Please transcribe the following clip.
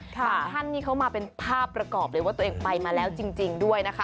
ท่านนี่เป็นภาพประกอบในว่าตัวเองไปมาแล้วจริงด้วย